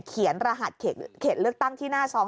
รหัสเขตเลือกตั้งที่หน้าซอง